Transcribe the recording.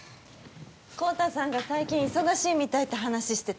昂太さんが最近忙しいみたいって話してたの。